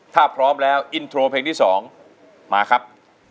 กับอินโทรเพลงที่สองมาครับ